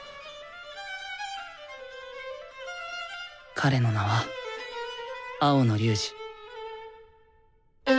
彼の名は青野龍仁。